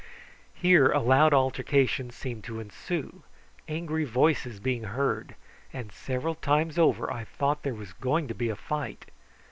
Here a loud altercation seemed to ensue, angry voices being heard; and several times over I thought there was going to be a fight.